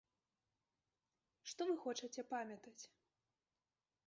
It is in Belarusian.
Што вы хочаце памятаць?